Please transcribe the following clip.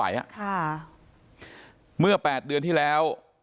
ฝ่ายกรเหตุ๗๖ฝ่ายมรณภาพกันแล้ว